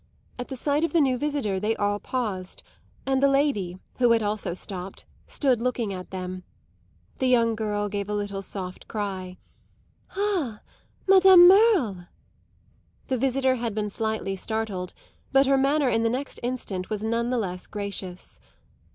At the sight of the new visitor they all paused, and the lady, who had also stopped, stood looking at them. The young girl gave a little soft cry: "Ah, Madame Merle!" The visitor had been slightly startled, but her manner the next instant was none the less gracious.